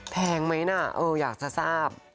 แข็งไม้นะอยากจะทราบ